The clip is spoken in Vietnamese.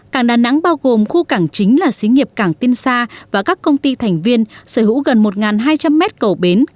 cảng đà nẵng bao gồm khu cảng chính là xí nghiệp cảng tiên sa và các công ty thành viên sở hữu gần một hai trăm linh mét cầu bến